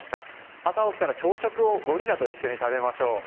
朝起きたら朝食をゴリラと一緒に食べましょう。